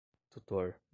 tutor